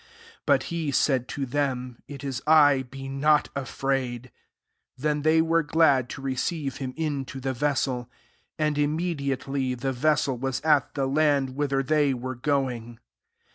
20 But he said to them, "It is I : be not afraid*" 21 Then they were glad to receive him into the vessel ; and immediately the vessel was at the land whither they were going.